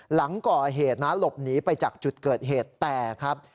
หลังก่อเหตุนะหลบหนีไปจากจุดเกิดเหตุแต่ครับ